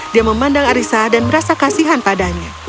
dia memandang arissa dan merasa kasihan padanya